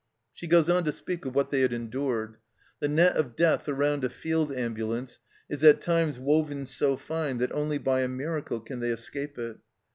She goes on to speak of what they had endured. " The net of death around a field ambulance is at times woven so fine that only by a miracle can they escape it.